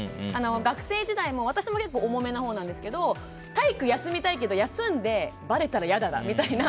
学生時代も私も結構重めなほうなんですけど体育休みたいけど、休んでばれたら嫌だなみたいな